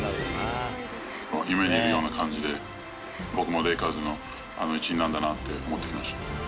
夢にいるような感じで、僕もレイカーズの一員だなって思ってきました。